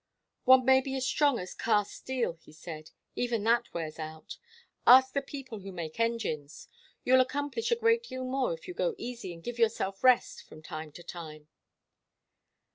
"One may be as strong as cast steel," he said. "Even that wears out. Ask the people who make engines. You'll accomplish a great deal more if you go easy and give yourself rest from time to time."